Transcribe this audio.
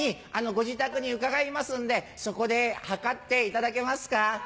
ご自宅に伺いますんでそこで測っていただけますか？」。